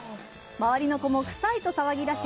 周りの子もくさいと騒ぎだし